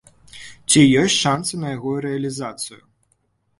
Ці ёсць шанцы на яго рэалізацыю?